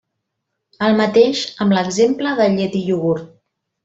El mateix amb l'exemple de llet i iogurt.